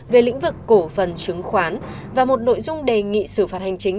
về lĩnh vực cổ phần chứng khoán và một nội dung đề nghị xử phạt hành chính